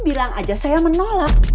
bilang aja saya menolak